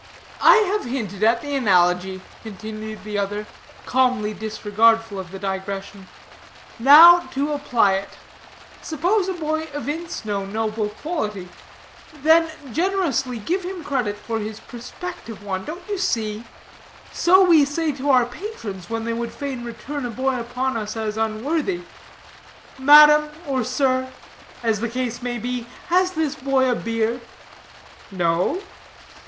"I have hinted at the analogy," continued the other, calmly disregardful of the digression; "now to apply it. Suppose a boy evince no noble quality. Then generously give him credit for his prospective one. Don't you see? So we say to our patrons when they would fain return a boy upon us as unworthy: 'Madam, or sir, (as the case may be) has this boy a beard?' 'No.'